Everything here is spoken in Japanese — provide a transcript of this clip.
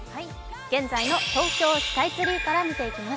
現在の東京スカイツリーから見ていきます。